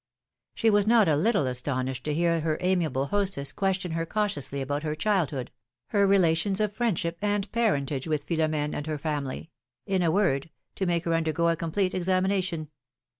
She was not a little astonished to hear her amiable hostess question her cautiously about her childhood, her relations of friendship and parentage with Philomene and her family — in a word, to make her undergo a complete examiiiation.